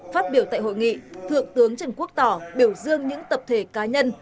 phát biểu tại hội nghị thượng tướng trần quốc tỏ biểu dương những tập thể cá nhân